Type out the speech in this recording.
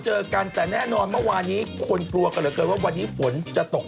อีกข่าวหนึ่งไม่ทันแล้วเพราะว่าเย็นนี้ก็ละกัน